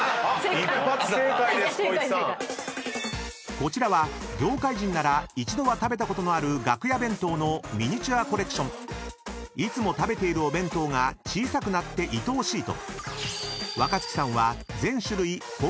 ［こちらは業界人なら一度は食べたことのある楽屋弁当のミニチュアコレクション］［いつも食べているお弁当が小さくなっていとおしいと］